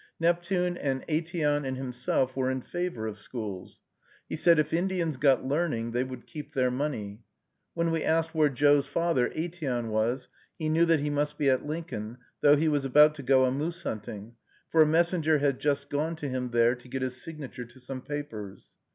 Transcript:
Neptune and Aitteon and he himself were in favor of schools. He said, "If Indians got learning, they would keep their money." When we asked where Joe's father, Aitteon, was, he knew that he must be at Lincoln, though he was about going a moose hunting, for a messenger had just gone to him there to get his signature to some papers.